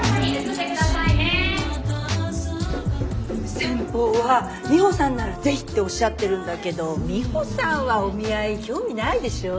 先方はミホさんならぜひっておっしゃってるんだけどミホさんはお見合い興味ないでしょ？